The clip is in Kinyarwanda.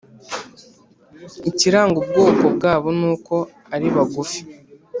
ikiranga ubwoko bwabo nuko aribagufi